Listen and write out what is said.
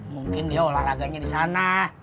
mungkin dia olahraganya disana